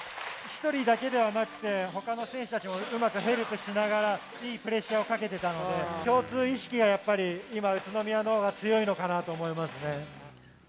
１人だけではなくて、ほかの選手たちもうまくヘルプしながら、いいプレッシャーをかけてたので、共通意識がやっぱり、今、宇都宮のほうが強いのかなと思いますね。